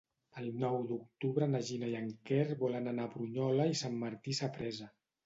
El nou d'octubre na Gina i en Quer volen anar a Brunyola i Sant Martí Sapresa.